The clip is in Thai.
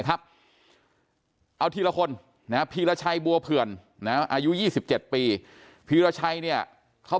ครับเอาทีละคนนะพีรชัยบัวเผื่อนนะอายุ๒๗ปีพีรชัยเนี่ยเขา